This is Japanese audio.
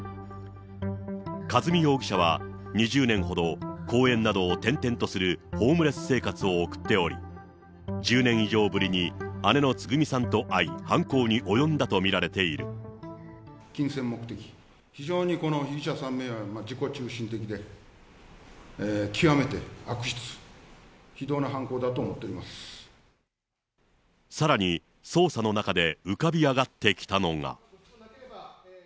和美容疑者は２０年ほど、公園などを転々とするホームレス生活を送っており、１０年以上ぶりに姉のつぐみさんと会い、犯行に及んだと見られて金銭目的、非常にこの被疑者３名は自己中心的で、極めて悪質、さらに、捜査の中で浮かび上がってきたのが。